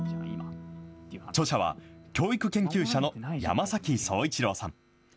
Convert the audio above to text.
著者は教育研究者の山崎聡一郎さん。